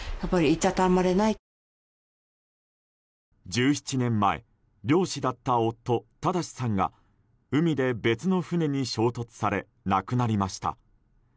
１７年前漁師だった夫・正さんが海で別の船に衝突され亡くなりました。